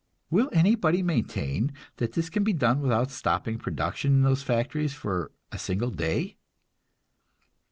Will anybody maintain that this can be done without stopping production in those factories for a single day?